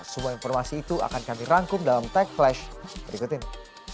semua informasi itu akan kami rangkum dalam tech flash berikut ini